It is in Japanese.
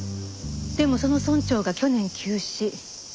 でもその村長が去年急死。